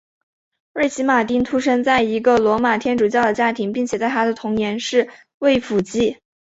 瑞奇马汀出生在一个罗马天主教的家庭并且在他的童年是位辅祭。